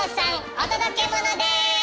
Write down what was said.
お届けモノです！